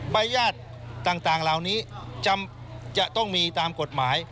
ใบญาติต่างเหล่านี้จะต้องมีตามกฎหมาย